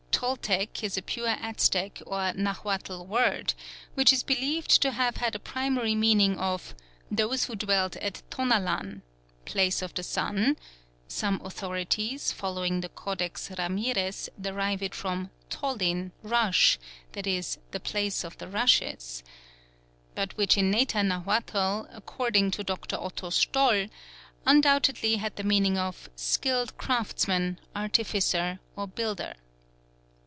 "Toltec" is a pure Aztec or Nahuatl word, which is believed to have had a primary meaning of "those who dwelt at Tonalan," "place of the Sun" (some authorities, following the Codex Ramirez, derive it from tolin, "rush," i.e. "the place of the rushes"); but which in later Nahuatl, according to Dr. Otto Stoll, undoubtedly had the meaning of "skilled craftsman, artificer or builder."